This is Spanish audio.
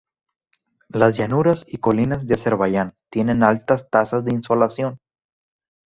Las llanuras y colinas de Azerbaiyán tienen altas tasas de insolación.